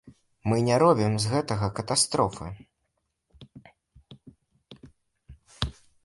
Мы не робім з гэтага катастрофы.